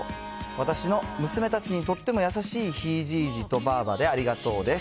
私の娘たちにとっても優しいひいじいじとばあばでありがとうです。